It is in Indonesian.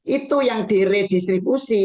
itu yang diredistribusi